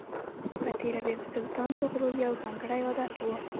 په تېره بیا د سلطان طغرل یو ځانګړی عادت و.